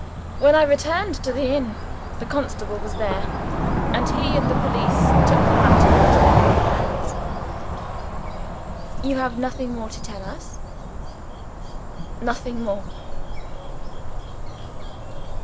When I returned to the inn, the constable was there and he and the police took the matter into their own hands." "You have nothing more to tell us?" "Nothing more."